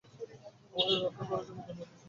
আমাদের রক্ষা করার জন্য ধন্যবাদ হিসেবে।